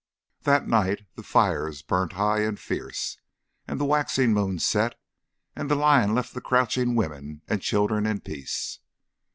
That night the fires burnt high and fierce, as the waxing moon set, and the lion left the crouching women and children in peace.